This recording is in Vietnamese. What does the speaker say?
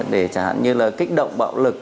để chẳng hạn như là kích động bạo lực